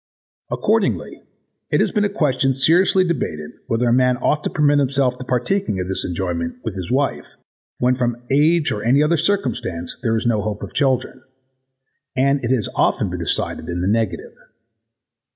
Accordingly it has been a question seriously debated whether a man ought to permit himself the partaking of this enjoyment with his wife when from age or any other circumstance there is no hope of children: and it has often been decided in the negative.